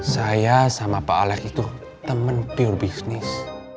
saya sama pak alex itu teman pure business